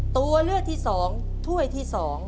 ตัวเลือกที่๒ถ้วยที่๒